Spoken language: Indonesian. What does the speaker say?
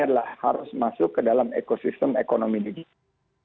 adalah harus masuk ke dalam ekosistem ekonomi digital